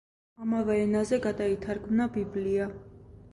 ამავე ენაზე გადაითარგმნა ბიბლია.